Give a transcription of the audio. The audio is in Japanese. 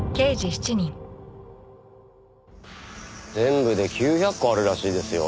全部で９００戸あるらしいですよ。